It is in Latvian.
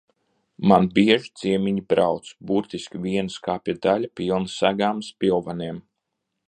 Man bieži ciemiņi brauc, burtiski viena skapja daļa pilna segām, spilveniem.